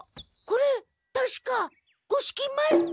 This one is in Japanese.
これたしか五色米！？